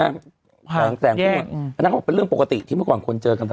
หาบแสงทุกอย่างอันนั้นเขาบอกเป็นเรื่องปกติที่เมื่อก่อนคนเจอกันบ่อย